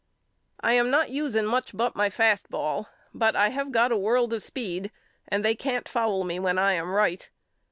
I am not using much but my fast ball but I have got a world of speed and they can't foul me when I am right.